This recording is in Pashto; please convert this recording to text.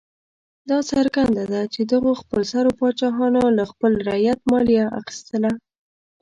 دا څرګنده ده چې دغو خپلسرو پاچاهانو له خپل رعیت مالیه اخیستله.